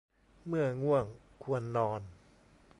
เมื่อง่วง ควรนอน